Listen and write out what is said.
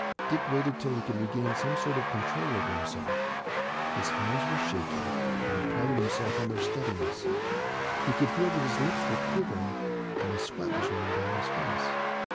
Dick waited till he could regain some sort of control over himself. His hands were shaking, and he prided himself on their steadiness; he could feel that his lips were quivering, and the sweat was running down his face.